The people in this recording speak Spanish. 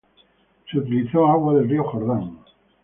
Se utilizó agua del río Jordán.